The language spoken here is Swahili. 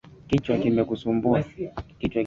Kichwa kimekusumbua.